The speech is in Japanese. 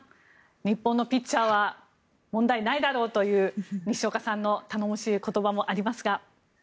日本のピッチャーは問題ないだろうという西岡さんの頼もしい言葉もありますが。